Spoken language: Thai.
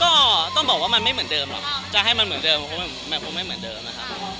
ก็ต้องบอกว่ามันไม่เหมือนเดิมหรอกจะให้มันเหมือนเดิมเพราะมันคงไม่เหมือนเดิมนะครับ